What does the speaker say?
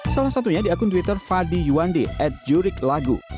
salah satunya di akun twitter fadi yuandi at jurik lagu